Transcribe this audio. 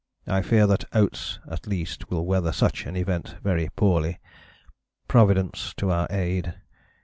I fear that Oates at least will weather such an event very poorly. Providence to our aid!